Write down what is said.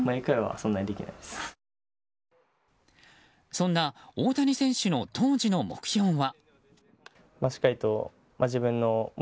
そんな大谷選手の当時の目標は。